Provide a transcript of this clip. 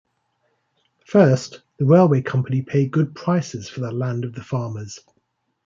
First, the railway company paid good prices for the land of the farmers.